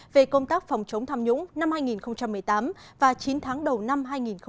về công tác phòng chống tham nhũng năm hai nghìn một mươi tám và chín tháng đầu năm hai nghìn một mươi chín